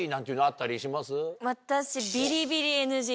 私。